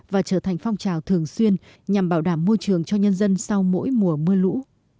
và trở thành phong trào thường xuyên nhằm bảo đảm môi trường cho nhân dân sau mỗi mùa mưa lũ